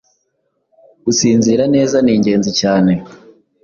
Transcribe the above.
Gusinzira neza ni ingenzi cyane